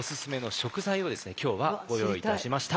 今日はご用意いたしました。